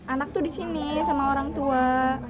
anak tuh disini sama orang tua